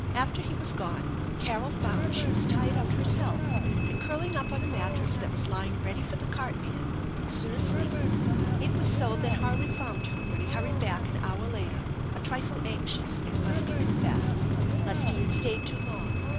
| After he was gone Carol found she was tired out herself, and, jcurling up on a mattress that was lying ready for the cart^nan, was soon asleep. It was so that Harley found her when he hurried back an hour later, a trifle anxious, it must be con fessed, lest he had stayed too long.